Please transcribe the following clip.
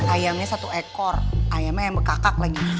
ayamnya satu ekor ayamnya yang bekak bekak lagi